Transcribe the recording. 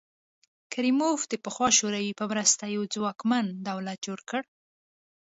کریموف د پخوا شوروي په مرسته یو ځواکمن دولت جوړ کړ.